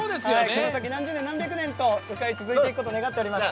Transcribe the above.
この先何十年、何百年と鵜飼が続いていくことを願っています。